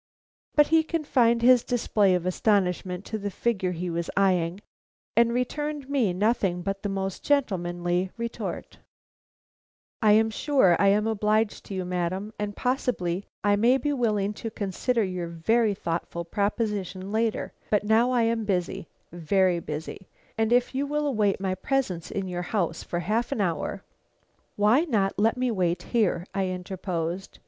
But he confined his display of astonishment to the figure he was eying, and returned me nothing but this most gentlemanly retort: "I am sure I am obliged to you, madam, and possibly I may be willing to consider your very thoughtful proposition later, but now I am busy, very busy, and if you will await my presence in your house for a half hour " "Why not let me wait here," I interposed.